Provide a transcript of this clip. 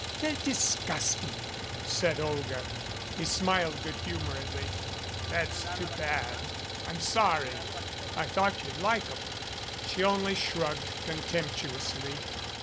"They're disgusting," said Olga. He smiled good hum o redly. "That's too bad. I'm sorry. I thought you'd like 'em." She only shrugged contemptuously.